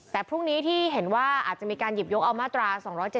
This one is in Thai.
แต่พรุ่งนี้ที่เห็นว่าอาจจะมีการหยิบยกเอามาตรา๒๗๒